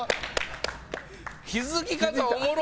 気付き方おもろ！